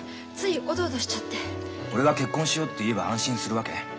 俺が「結婚しよう」って言えば安心するわけ？